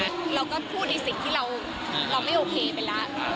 แล้วเราก็พูดอีกสิ่งที่เราไม่โอเคไปละ